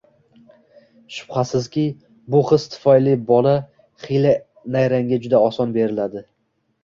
Shubhasizki, bu his tufayli bola hiyla-nayrangga juda oson beriladi.